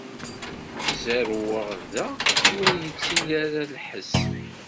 Zerrweɣ da mi ur yettili ara lḥess.